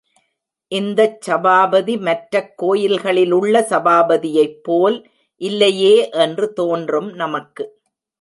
இந்தச் சபாபதி மற்றக் கோயில்களில் உள்ள சபாபதியைப் போல் இல்லையே என்று தோன்றும் நமக்கு.